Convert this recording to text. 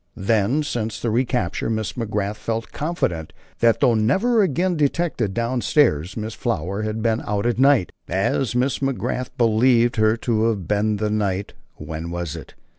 Then, since the recapture, Miss McGrath felt confident that though never again detected down stairs, Miss Flower had been out at night, as Miss McGrath believed her to have been the night, when was it?